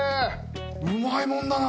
うまいもんだな。